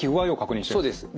そうです。